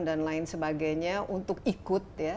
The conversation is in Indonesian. dan lain sebagainya untuk ikut